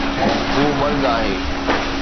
هو مرد آهي